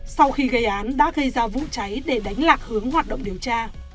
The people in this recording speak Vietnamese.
sau khi gây án đã gây ra vụ cháy để đánh lạc hướng hoạt động điều tra